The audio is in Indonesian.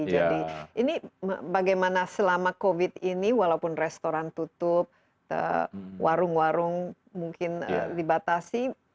jadi ini bagaimana selama covid ini walaupun restoran tutup warung warung mungkin dibatasi